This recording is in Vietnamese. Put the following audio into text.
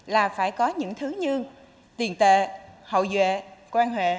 là phải có những thứ như tiền tệ hậu vệ quan hệ